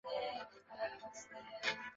告诉分为告诉乃论与非告诉乃论。